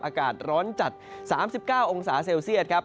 อากาศร้อนจัด๓๙องศาเซลเซียตครับ